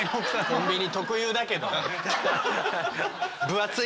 コンビニ特有だけど。